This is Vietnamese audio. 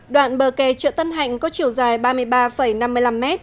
đoạn bờ kè chợ tân hạnh có chiều dài ba mươi ba năm mươi năm m